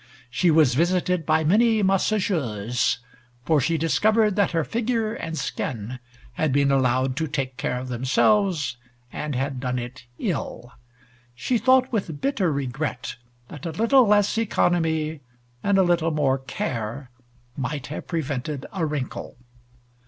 She was visited by many massageurs, for she discovered that her figure and skin had been allowed to take care of themselves and had done it ill. She thought with bitter regret that a little less economy and a little more care might have prevented a wrinkle.